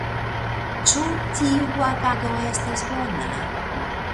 Ĉu tia agado estas bona?